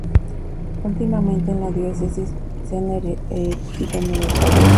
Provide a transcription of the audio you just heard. Últimamente en la diócesis se han erigido nuevas parroquias.